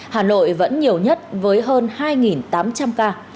hà nội vẫn nhiều nhất với hơn hai tám trăm linh ca